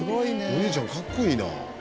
お兄ちゃんかっこいいな。